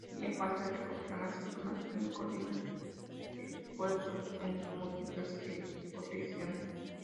Haría falta recopilar más información y coordinar esfuerzos entre múltiples ecorregiones.